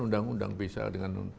undang undang bisa dengan